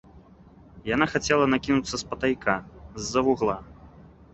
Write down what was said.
Яна хацела накінуцца спатайка, з-за вугла.